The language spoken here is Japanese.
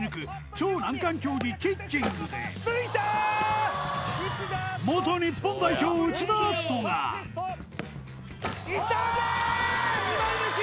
超難関競技キッキングで元日本代表内田篤人がいった２枚抜き！